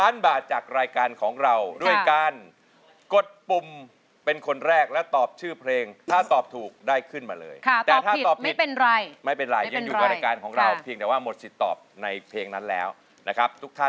ในรายการของเราเพียงแต่ว่าหมดสิทธิ์ตอบในเพลงนั้นแล้วนะครับ